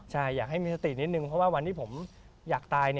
ใช่อยากให้มีสตินิดนึงเพราะว่าวันที่ผมอยากตาย